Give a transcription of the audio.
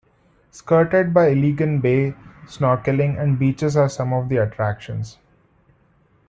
Skirted by Iligan Bay, snorkeling and beaches are some of the attractions.